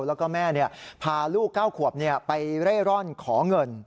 แล้วก็แม่พาลูก๙ขวบไปเร่ร่อนขอเงิน